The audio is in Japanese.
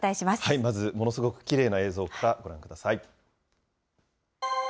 まずものすごくきれいな映像からご覧ください。